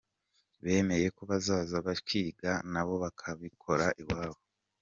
Bemeye ko bazaza bakiga nabo bakabikora iwabo.